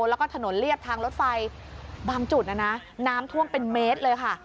แล้วก็ถนนเรียบทางรถไฟบางจุดนะนะน้ำท่วมเป็นเมตรเลยค่ะ